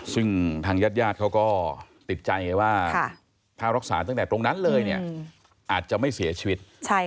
ซึ่งทางญาติญาติเขาก็ติดใจไงว่าถ้ารักษาตั้งแต่ตรงนั้นเลยเนี่ยอาจจะไม่เสียชีวิต